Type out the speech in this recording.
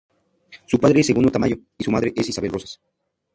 Su padre es Segundo Tamayo, y su madre es Isabel Rozas.